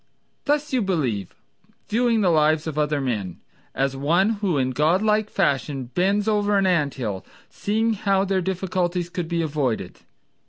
Thus you believe, viewing the lives of other men, As one who in God like fashion bends over an anthill, Seeing how their difficulties could be avoided.